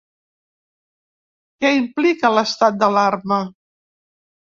Què implica l’estat d’alarma?